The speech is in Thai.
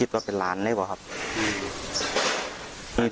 ส่วนของชีวาหาย